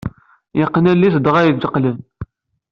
Yeqqen allen-is dɣa yejqqeleb.